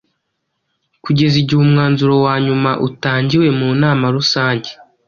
kugeza igihe umwanzuro wa nyuma utangiwe mu nama rusange.